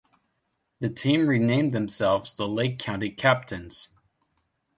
The team renamed themselves the Lake County Captains.